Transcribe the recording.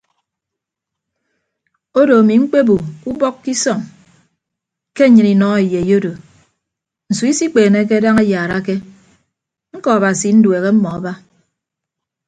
Odo ami mkpebo ubọk ke isọñ ke nnyịn inọ eyei odo nsu isikpeeneke daña ayaarake ñkọ abasi nduehe mmọọ aba.